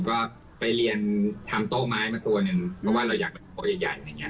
ก็ไปเรียนทำโต๊ะไม้มาตัวหนึ่งเพราะว่าเราอยากมาโต๊ะใหญ่